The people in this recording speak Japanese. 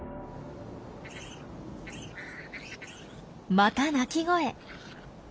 また鳴き声。